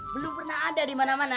belum pernah ada di mana mana